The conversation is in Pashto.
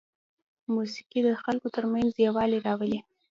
موسیقي د خلکو ترمنځ یووالی راولي.